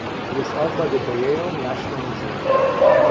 It is held by the Buyeo National Museum.